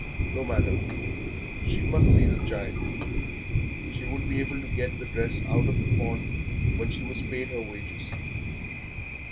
No matter, she must see the child. She would be able to get the dress out of pawn when she was paid her wages.